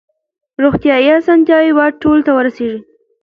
روغتیايي اسانتیاوې باید ټولو ته ورسیږي.